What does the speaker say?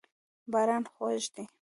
باران خوږ دی.